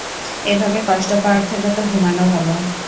এভাবে কষ্ট পাওয়ার থেকে তো ঘুমানো ভালো।